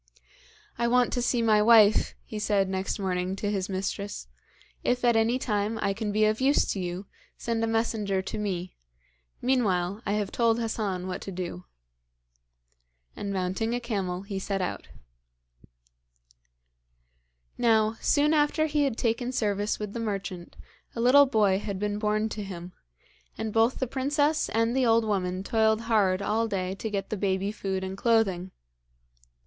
'I want to see my wife,' he said next morning to his mistress. 'If at any time I can be of use to you, send a messenger to me; meanwhile, I have told Hassan what to do.' And mounting a camel he set out. Now, soon after he had taken service with the merchant a little boy had been born to him, and both the princess and the old woman toiled hard all day to get the baby food and clothing.